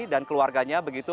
dan keluarganya begitu